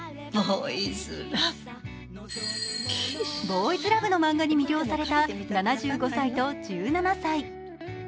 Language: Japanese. ボーイズ・ラブの漫画に魅了された７５歳と１７歳。